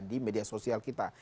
di media sosial kita